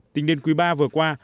tính đến quý ba vừa qua